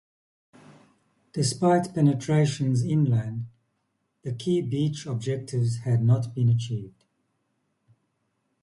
Despite penetrations inland, the key beach objectives had not been achieved.